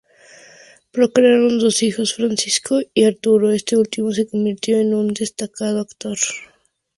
Procrearon dos hijos: Francisco y Arturo, este último se convirtió en un destacado actor.